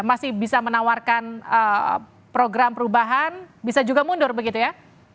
masih bisa menawarkan program perubahan bisa juga mundur begitu ya